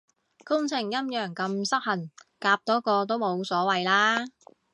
工程陰陽咁失衡，夾多個都冇所謂啦